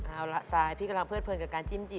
เอาล่ะซายพี่กำลังเพื่อเผินกับการจิ้มอยู่